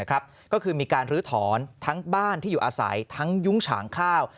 ก็คือมีการลื้อถอนทั้งบ้านที่อยู่อาศัยทั้งยุ้งฉางข้าว